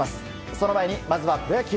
その前に、まずはプロ野球。